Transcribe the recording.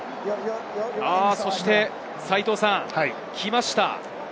そしてきました。